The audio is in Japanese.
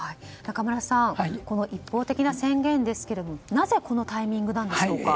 中村さん、一方的な宣言はなぜこのタイミングなんですか？